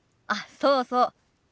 あっそうそう。